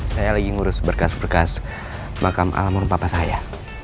saya lagi ngurus berkas berkas makam alam merumba pak saya